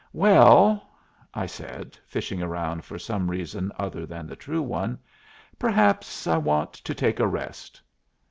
"Well," I said, fishing round for some reason other than the true one, "perhaps I want to take a rest."